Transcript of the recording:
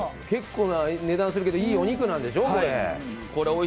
結構な値段するけど、いいお肉なんでしょ、これ。